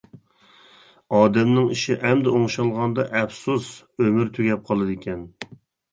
ئادەمنىڭ ئىشى ئەمدى ئوڭشالغاندا، ئەپسۇس، ئۆمۈر تۈگەپ قالىدىكەن.